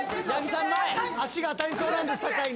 足が当たりそうなんです酒井に。